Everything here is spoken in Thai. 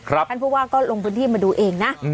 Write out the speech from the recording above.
หรือที่กันลงที่มาดูเองนะ